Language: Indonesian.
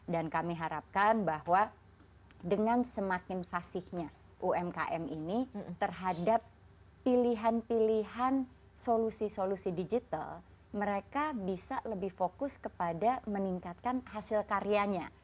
dan kami harapkan bahwa dengan semakin fasiknya umkm ini terhadap pilihan pilihan solusi solusi digital mereka bisa lebih fokus kepada meningkatkan hasil karyanya